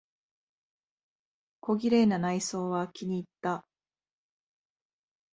小綺麗な内装は気にいった。